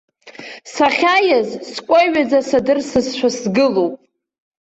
Сахьааиз, скәаҩӡа, садырсызшәа сгылоуп.